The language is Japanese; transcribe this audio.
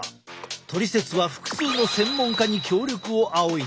「トリセツ」は複数の専門家に協力を仰いだ。